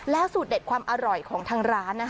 สูตรเด็ดความอร่อยของทางร้าน